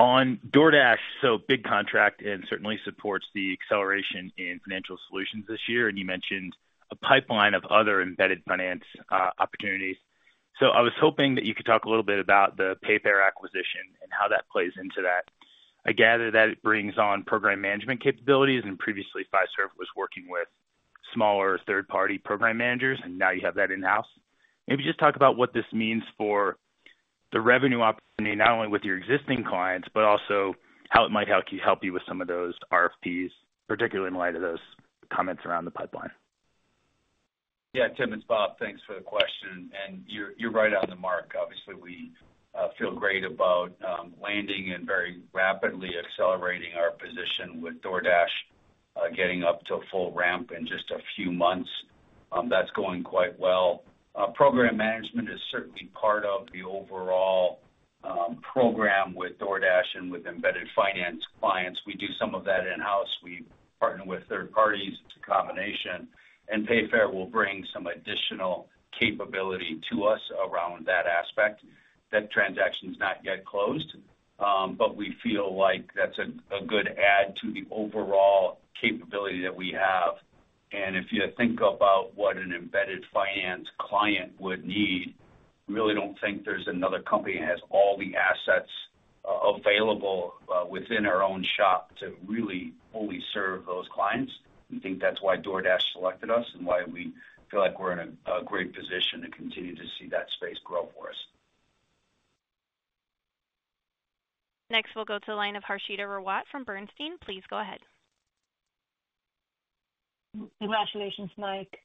On DoorDash, so big contract and certainly supports the acceleration in financial solutions this year. And you mentioned a pipeline of other embedded finance opportunities. So I was hoping that you could talk a little bit about the Payfare acquisition and how that plays into that. I gather that it brings on program management capabilities, and previously, Fiserv was working with smaller third-party program managers, and now you have that in-house. Maybe just talk about what this means for the revenue opportunity, not only with your existing clients, but also how it might help you with some of those RFPs, particularly in light of those comments around the pipeline. Yeah, Tim and Bob, thanks for the question. And you're right on the mark. Obviously, we feel great about landing and very rapidly accelerating our position with DoorDash, getting up to full ramp in just a few months. That's going quite well. Program management is certainly part of the overall program with DoorDash and with embedded finance clients. We do some of that in-house. We partner with third parties. It's a combination. And Payfare will bring some additional capability to us around that aspect. That transaction's not yet closed, but we feel like that's a good add to the overall capability that we have. And if you think about what an embedded finance client would need, we really don't think there's another company that has all the assets available within our own shop to really fully serve those clients. We think that's why DoorDash selected us and why we feel like we're in a great position to continue to see that space grow for us. Next, we'll go to the line of Harshita Rawat from Bernstein. Please go ahead. Congratulations, Mike.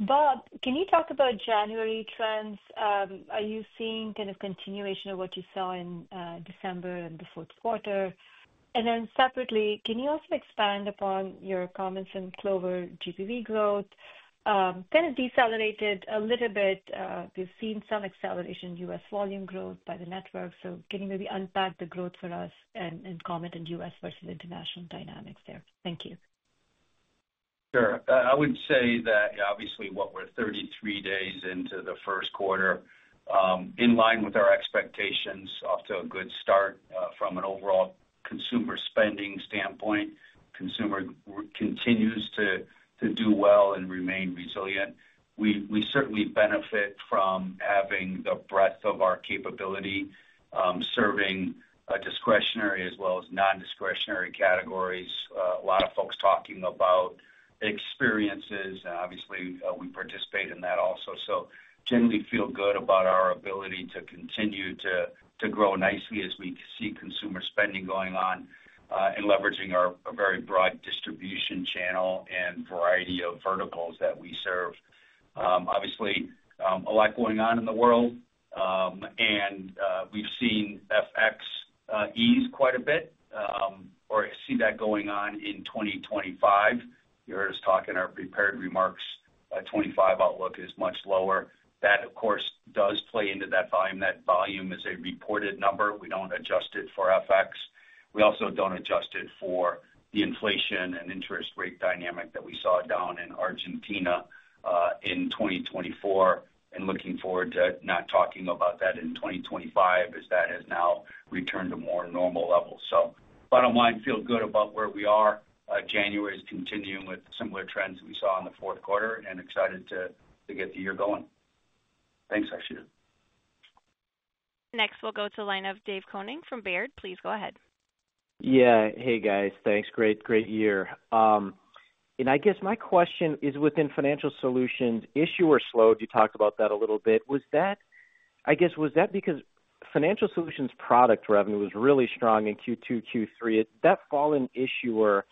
Bob, can you talk about January trends? Are you seeing kind of continuation of what you saw in December and the fourth quarter? And then separately, can you also expand upon your comments on Clover GPV growth? Kind of decelerated a little bit. We've seen some acceleration in U.S. volume growth by the network. So can you maybe unpack the growth for us and comment on U.S. versus international dynamics there? Thank you. Sure. I would say that, obviously, what we're 33 days into the first quarter, in line with our expectations, off to a good start from an overall consumer spending standpoint. Consumer continues to do well and remain resilient. We certainly benefit from having the breadth of our capability, serving a discretionary as well as non-discretionary categories. A lot of folks talking about experiences, and obviously, we participate in that also. So, generally feel good about our ability to continue to grow nicely as we see consumer spending going on and leveraging our very broad distribution channel and variety of verticals that we serve. Obviously, a lot going on in the world, and we've seen FX ease quite a bit or see that going on in 2025. You heard us talk in our prepared remarks; 2025 outlook is much lower. That, of course, does play into that volume. That volume is a reported number. We don't adjust it for FX. We also don't adjust it for the inflation and interest rate dynamic that we saw down in Argentina in 2024 and looking forward to not talking about that in 2025 as that has now returned to more normal levels. So bottom line, feel good about where we are. January is continuing with similar trends we saw in the fourth quarter and excited to get the year going. Thanks, Harshita. Next, we'll go to the line of Dave Koning from Baird. Please go ahead. Yeah. Hey, guys. Thanks. Great year. And I guess my question is, within financial solutions, issuer slowed. You talked about that a little bit. I guess was that because financial solutions product revenue was really strong in Q2, Q3? Did that fall in issuer,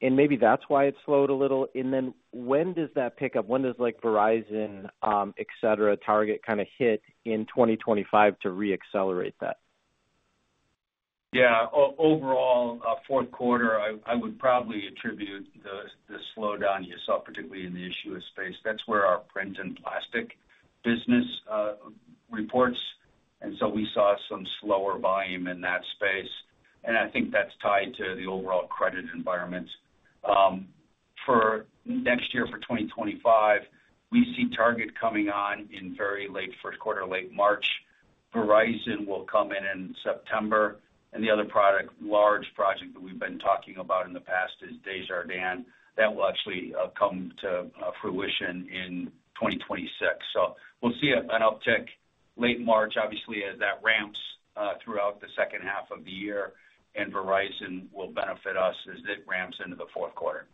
and maybe that's why it slowed a little? And then when does that pick up? When does Verizon, et cetera, Target kind of hit in 2025 to re-accelerate that? Yeah. Overall, fourth quarter, I would probably attribute the slowdown you saw, particularly in the issuer space. That's where our print and plastic business reports. And so we saw some slower volume in that space. And I think that's tied to the overall credit environment. For next year, for 2025, we see Target coming on in very late first quarter, late March. Verizon will come in in September. And the other large project that we've been talking about in the past is Desjardins. That will actually come to fruition in 2026. So we'll see an uptick late March, obviously, as that ramps throughout the second half of the year, and Verizon will benefit us as it ramps into the fourth quarter.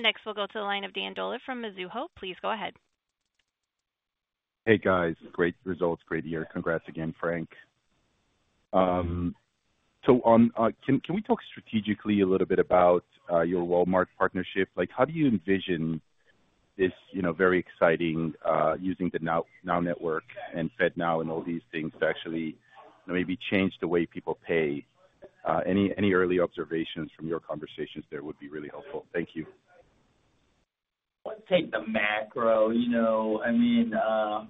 Next, we'll go to the line of Dan Dolev from Mizuho. Please go ahead. Hey, guys. Great results. Great year. Congrats again, Frank. So can we talk strategically a little bit about your Walmart partnership? How do you envision this very exciting, using the NOW Network and FedNow and all these things to actually maybe change the way people pay? Any early observations from your conversations there would be really helpful. Thank you. Let's take the macro. I mean, I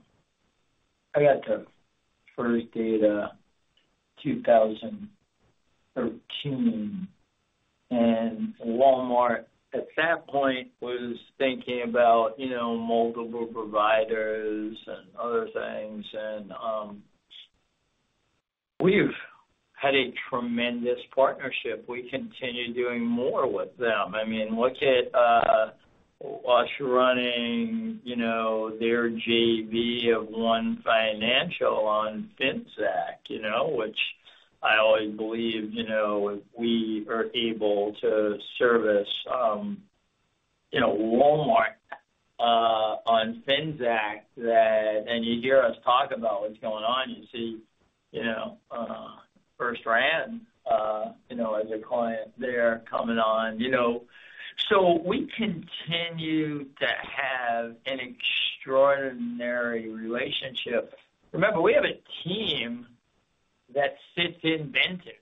got the first deal 2013, and Walmart at that point was thinking about multiple providers and other things. And we've had a tremendous partnership. We continue doing more with them. I mean, look at us running their JV of One Financial on Finxact, which I always believe if we are able to service Walmart on Finxact, and you hear us talk about what's going on, you see FirstRand as a client there coming on. So we continue to have an extraordinary relationship. Remember, we have a team that sits in Bentonville,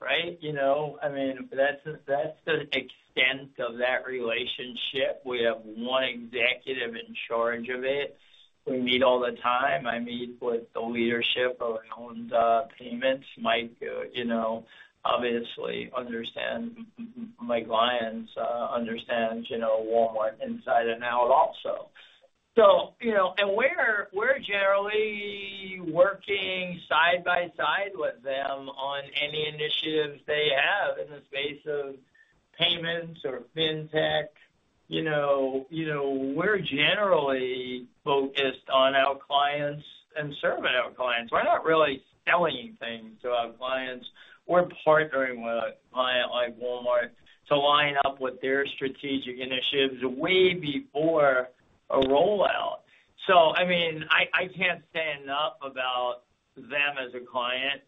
right? I mean, that's the extent of that relationship. We have one executive in charge of it. We meet all the time. I meet with the leadership around payments. Mike, obviously, understands my clients, understands Walmart inside and out also. And we're generally working side by side with them on any initiatives they have in the space of payments or fintech. We're generally focused on our clients and serving our clients. We're not really selling anything to our clients. We're partnering with a client like Walmart to line up with their strategic initiatives way before a rollout. So I mean, I can't say enough about them as a client,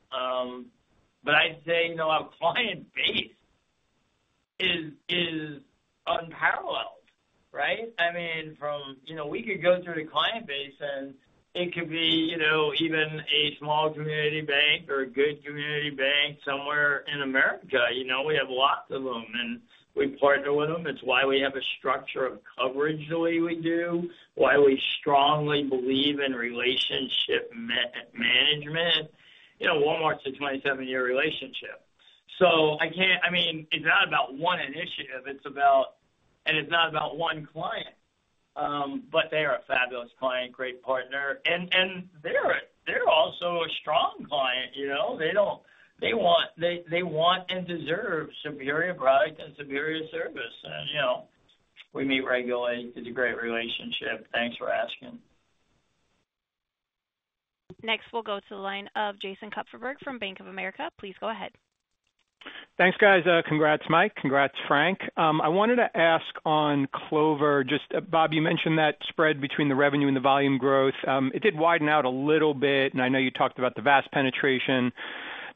but I'd say our client base is unparalleled, right? I mean, we could go through the client base, and it could be even a small community bank or a good community bank somewhere in America. We have lots of them, and we partner with them. It's why we have a structure of coverage the way we do, why we strongly believe in relationship management. Walmart's a 27-year relationship. So I mean, it's not about one initiative, and it's not about one client, but they are a fabulous client, great partner. And they're also a strong client. They want and deserve superior product and superior service. And we meet regularly. It's a great relationship. Thanks for asking. Next, we'll go to the line of Jason Kupferberg from Bank of America. Please go ahead. Thanks, guys. Congrats, Mike. Congrats, Frank. I wanted to ask on Clover, just Bob, you mentioned that spread between the revenue and the volume growth. It did widen out a little bit, and I know you talked about the VAS penetration,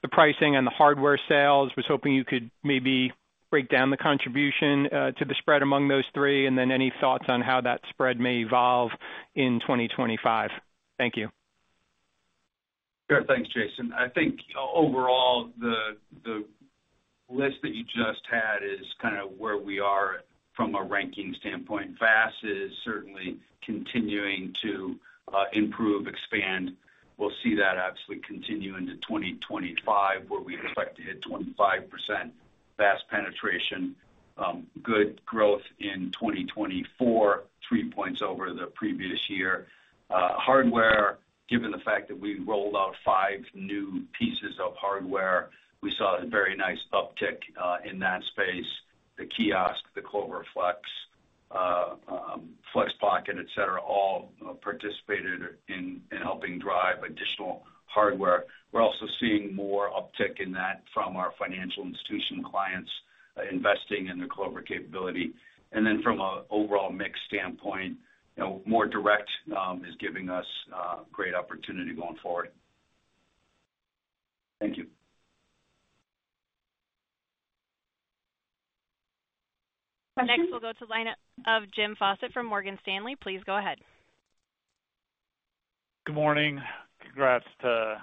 the pricing, and the hardware sales. I was hoping you could maybe break down the contribution to the spread among those three, and then any thoughts on how that spread may evolve in 2025. Thank you. Sure. Thanks, Jason. I think overall, the list that you just had is kind of where we are from a ranking standpoint. VAS is certainly continuing to improve, expand. We'll see that absolutely continue into 2025, where we expect to hit 25% VAS penetration, good growth in 2024, three points over the previous year. Hardware, given the fact that we rolled out five new pieces of hardware, we saw a very nice uptick in that space. The kiosk, the Clover Flex, Flex Pocket, et cetera, all participated in helping drive additional hardware. We're also seeing more uptick in that from our financial institution clients investing in the Clover capability. And then from an overall mix standpoint, more direct is giving us great opportunity going forward. Thank you. Next, we'll go to the lineup of Jim Faucette from Morgan Stanley. Please go ahead. Good morning. Congrats to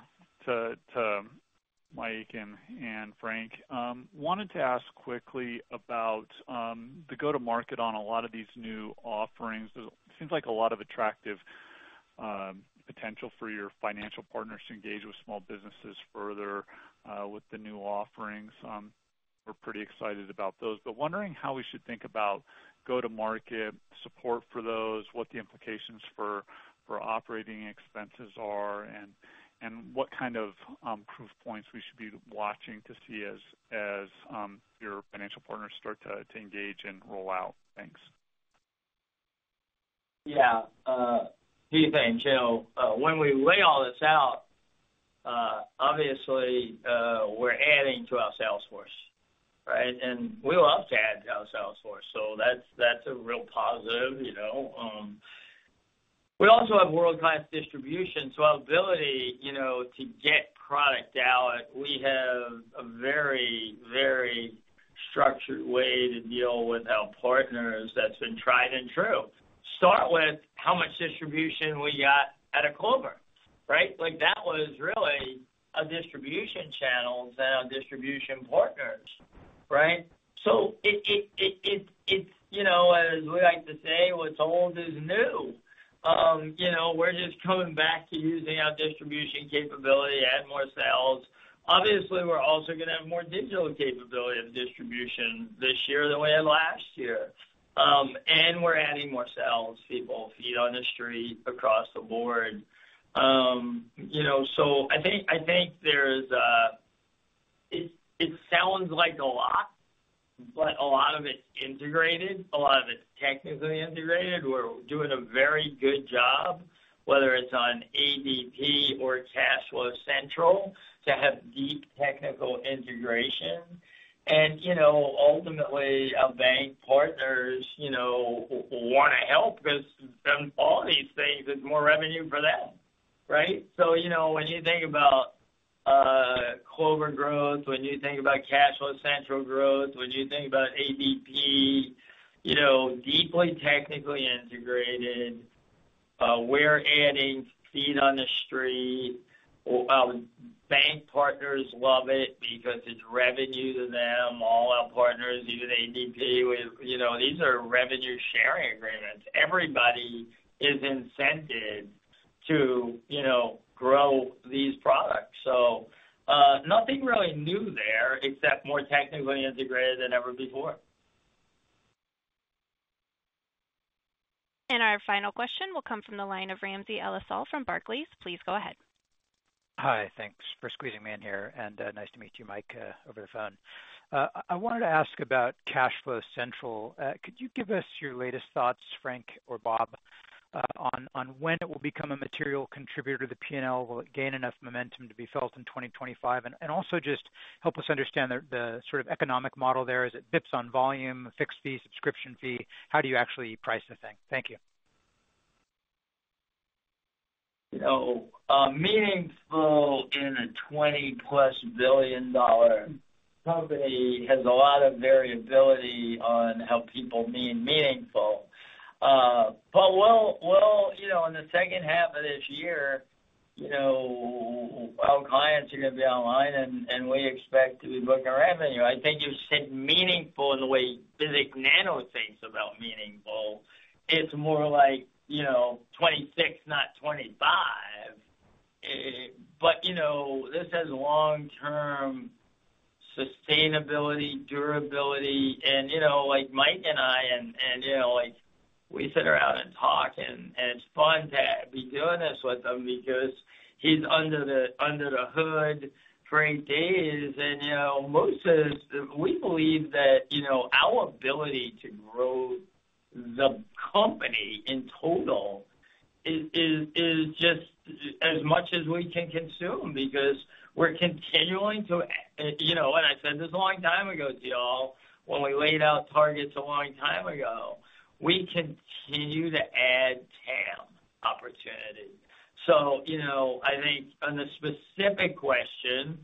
Mike and Frank. Wanted to ask quickly about the go-to-market on a lot of these new offerings. It seems like a lot of attractive potential for your financial partners to engage with small businesses further with the new offerings. We're pretty excited about those, but wondering how we should think about go-to-market support for those, what the implications for operating expenses are, and what kind of proof points we should be watching to see as your financial partners start to engage and roll out things? Yeah. Hey, thank you. When we lay all this out, obviously, we're adding to our sales force, right? And we love to add to our sales force. So that's a real positive. We also have world-class distribution. So our ability to get product out, we have a very, very structured way to deal with our partners that's been tried and true. Start with how much distribution we got out of Clover, right? That was really our distribution channels and our distribution partners, right? So as we like to say, what's old is new. We're just coming back to using our distribution capability, add more sales. Obviously, we're also going to have more digital capability of distribution this year than we had last year. And we're adding more sales, people feet on the street across the board. So I think it sounds like a lot, but a lot of it's integrated. A lot of it's technically integrated. We're doing a very good job, whether it's on ADP or CashFlow Central, to have deep technical integration. And ultimately, our bank partners want to help because to them all these things is more revenue for them, right? So when you think about Clover growth, when you think about CashFlow Central growth, when you think about ADP, deeply technically integrated, we're adding feet on the street. Our bank partners love it because it's revenue to them. All our partners, even ADP, these are revenue-sharing agreements. Everybody is incented to grow these products. So nothing really new there except more technically integrated than ever before. And our final question will come from the line of Ramsey El-Assal from Barclays. Please go ahead. Hi. Thanks for squeezing me in here. And nice to meet you, Mike, over the phone. I wanted to ask about CashFlow Central. Could you give us your latest thoughts, Frank or Bob, on when it will become a material contributor to the P&L? Will it gain enough momentum to be felt in 2025? And also just help us understand the sort of economic model there. Is it basis points on volume, fixed fee, subscription fee? How do you actually price the thing? Thank you. Meaningful in a $20-plus billion company has a lot of variability on how people mean meaningful. But well, in the second half of this year, our clients are going to be online, and we expect to be booking revenue. I think you said meaningful in the way Vivek Nano thinks about meaningful. It's more like 26, not 25. But this has long-term sustainability, durability. And Mike and I and we sit around and talk, and it's fun to be doing this with him because he's under the hood for eight days. We believe that our ability to grow the company in total is just as much as we can consume because we're continuing to, and I said this a long time ago to y'all when we laid out targets a long time ago. We continue to add TAM opportunity. So I think on the specific question,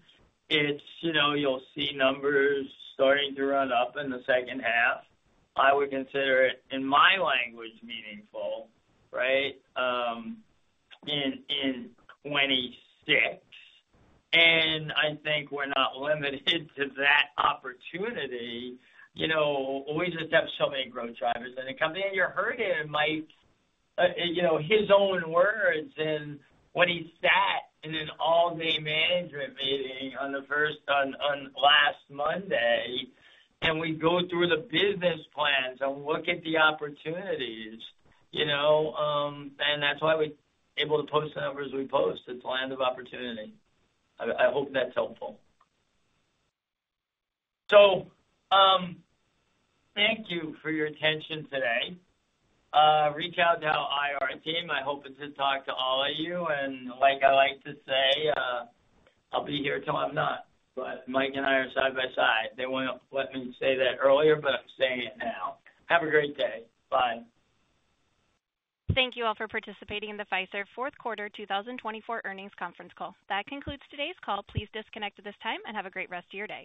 you'll see numbers starting to run up in the second half. I would consider it, in my language, meaningful, right, in 2026. And I think we're not limited to that opportunity. We just have so many growth drivers in the company. And you heard it in Mike's own words when he sat in an all-day management meeting on the first on last Monday, and we go through the business plans and look at the opportunities. And that's why we're able to post the numbers we post. It's a land of opportunity. I hope that's helpful. So thank you for your attention today. Reach out to our IR team. I hope to talk to all of you. And like I like to say, I'll be here till I'm not. But Mike and I are side by side. They won't let me say that earlier, but I'm saying it now. Have a great day. Bye. Thank you all for participating in the Fiserv Fourth Quarter 2024 Earnings Conference Call. That concludes today's call. Please disconnect at this time and have a great rest of your day.